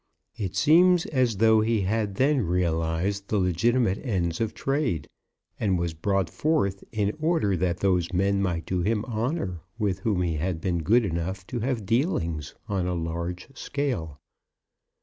It seems as though he had then realized the legitimate ends of trade, and was brought forth in order that those men might do him honour with whom he had been good enough to have dealings on a large scale.